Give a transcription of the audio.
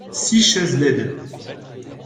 six chaises laides.